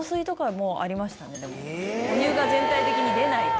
お湯が全体的に出ないと。